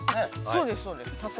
◆そうです、そうです。